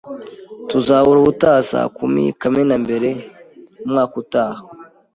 Tuzahura ubutaha saa kumi, Kamena mbere, umwaka utaha